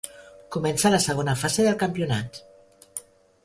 Comença la segona fase del campionat.